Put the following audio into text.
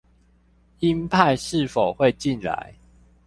英派是否會進來